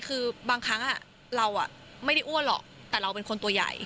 คือบางครั้งเราไม่ได้อ้วนหรอกแต่เราเป็นคนตัวใหญ่